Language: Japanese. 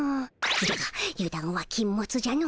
じゃが油断は禁物じゃの。